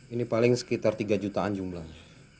ini paling sekitar tiga jutaan jumlahnya